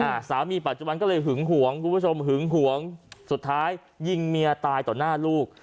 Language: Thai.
อ่าสามีปัจจุบันก็เลยหึงหวงคุณผู้ชมหึงหวงสุดท้ายยิงเมียตายต่อหน้าลูก